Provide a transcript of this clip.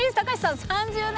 ３０年前。